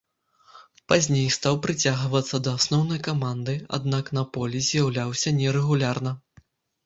Пазней стаў прыцягвацца да асноўнай каманды, аднак на полі з'яўляўся нерэгулярна.